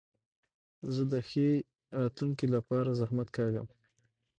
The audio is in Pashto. زه د ښې راتلونکي له پاره زحمت کاږم.